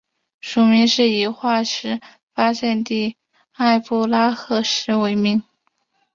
属名是以化石发现地的埃布拉赫市为名。